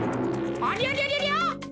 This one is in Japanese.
ありゃりゃりゃりゃ？